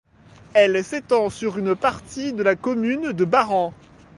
Elle s'étend sur une partie de la commune de Baren.